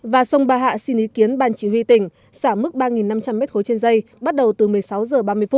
và sông ba hạ xin ý kiến ban chỉ huy tỉnh xả mức ba năm trăm linh m ba trên dây bắt đầu từ một mươi sáu h ba mươi